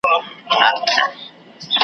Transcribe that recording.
د ټول مصر به مالدار او دُنیا دار سم .